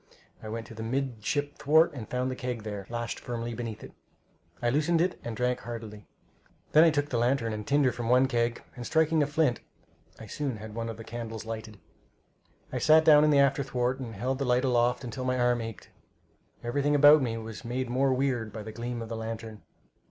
I went to the midship thwart, and found the keg there, lashed firmly beneath it. I loosened it and drank heartily. Then I took the lantern and tinder from the keg, and striking the flint, I soon had one of the candles lighted. I sat down on the after thwart and held the light aloft till my arm ached. Everything about me was made more weird by the gleam of the lantern.